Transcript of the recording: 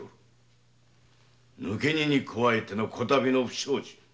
抜け荷に加えてこ度の不祥事。